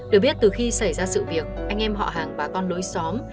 được biết từ khi xảy ra sự việc anh em họ hàng bà con nối xóm